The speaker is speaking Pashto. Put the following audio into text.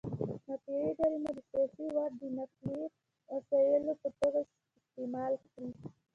مافیایي ډلې مو د سیاسي واټ د نقلیه وسایطو په توګه استعمال کړي.